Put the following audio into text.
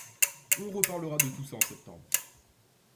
On reparlera de tout ça en septembre.